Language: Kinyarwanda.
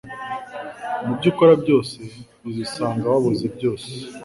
mu byo ukora byose uzisanga wabuze byose